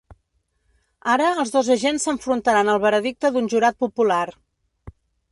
Ara els dos agents s’enfrontaran al veredicte d’un jurat popular.